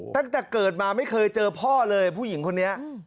ตั้งแต่เกิดมาไม่เคยเจอพ่อเลยผู้หญิงคนนี้